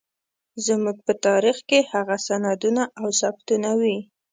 زموږ په تاريخ کې هغه سندونه او ثبوتونه وي.